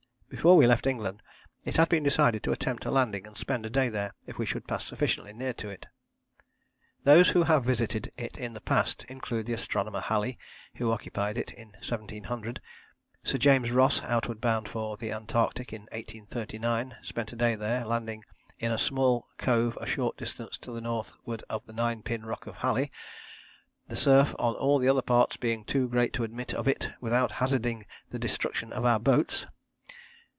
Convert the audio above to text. Before we left England it had been decided to attempt a landing and spend a day there if we should pass sufficiently near to it. Those who have visited it in the past include the astronomer Halley, who occupied it, in 1700. Sir James Ross, outward bound for the Antarctic in 1839, spent a day there, landing "in a small cove a short distance to the northward of the Nine Pin Rock of Halley, the surf on all other parts being too great to admit of it without hazarding the destruction of our boats."